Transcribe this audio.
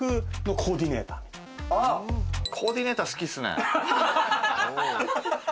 コーディネーター、好きっすね。